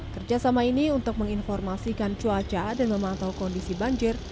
kerjasama ini untuk menginformasikan cuaca dan memantau kondisi banjir